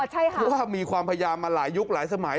เพราะว่ามีความพยายามมาหลายยุคหลายสมัย